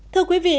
thưa quý vị